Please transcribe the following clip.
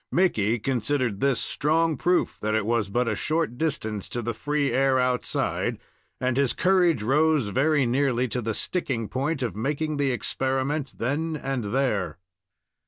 Mickey considered this strong proof that it was but a short distance to the free air outside, and his courage rose very nearly to the sticking point of making the experiment then and there.